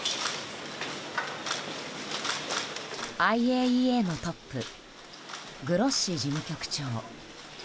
ＩＡＥＡのトップグロッシ事務局長。